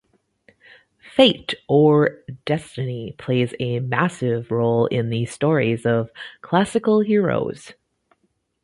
Fate, or destiny, plays a massive role in the stories of classical heroes.